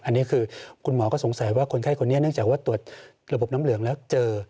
อันนี้คือคุณหมอก็สงสัยว่าคนไข้คนนี้เนื่องจากว่าตรวจระบบน้ำเหลืองแล้วเจอ